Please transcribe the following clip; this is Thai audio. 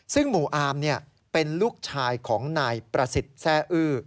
ซึ่งหมู่อาร์มเป็นลูกชายของนายประสิทธิ์แทร่อื้อ